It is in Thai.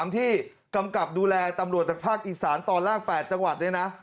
ที่กำกับดูแลตำรวจจักรภาคอีสานตอนราก๘จังหวัด